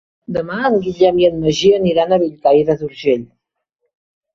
Demà en Guillem i en Magí aniran a Bellcaire d'Urgell.